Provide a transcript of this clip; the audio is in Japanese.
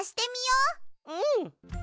うん！